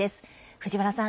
藤原さん